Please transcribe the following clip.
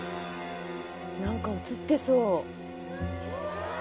何か映ってそう。